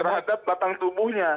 terhadap batang tubuhnya